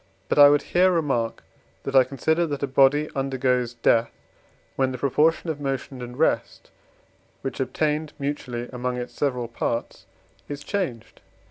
But I would here remark that I consider that a body undergoes death, when the proportion of motion and rest which obtained mutually among its several parts is changed.